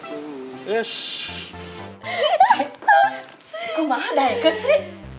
kok bahan daikun sri